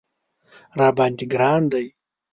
راباندې ګران دی